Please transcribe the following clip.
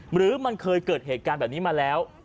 หรือมันเคยเกิดเหตุการณ์แบบนี้มาแล้ว